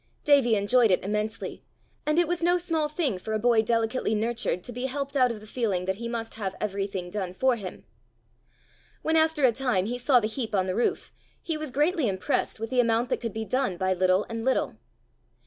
Davie enjoyed it immensely; and it was no small thing for a boy delicately nurtured to be helped out of the feeling that he must have every thing done for him. When after a time he saw the heap on the roof, he was greatly impressed with the amount that could be done by little and little.